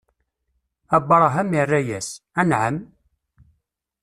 Abṛaham irra-yas: Anɛam!